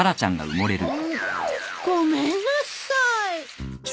ん！ごめんなさい。